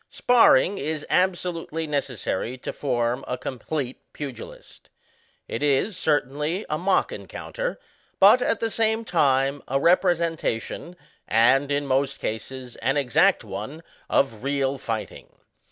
Sparring is absolutely necessary to form a com plete pugilist. It is, certainly, a mock encounter; but, at the same time, a representation, and, in most cases, an exact one, of real fighting.